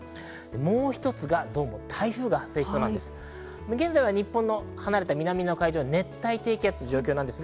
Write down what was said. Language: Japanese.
もう一つがどうも台風が発生しそうなんです、現在は日本の離れた南の海上、熱帯低気圧という状況です。